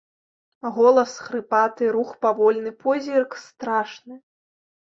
Голас хрыпаты, рух павольны, позірк страшны.